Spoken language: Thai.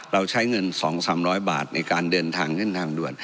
เราใช้เงินสองสามร้อยบาทในการเดินทางขึ้นทางด่วน